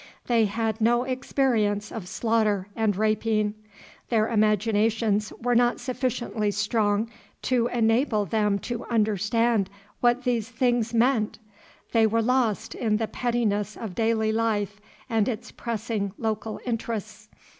They had no experience of slaughter and rapine, their imaginations were not sufficiently strong to enable them to understand what these things meant; they were lost in the pettiness of daily life and its pressing local interests.